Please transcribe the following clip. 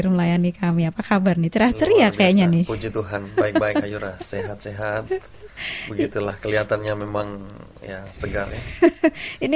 mari berjalan ke sion